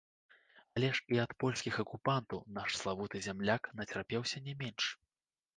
Але ж і ад польскіх акупантаў наш славуты зямляк нацярпеўся не менш.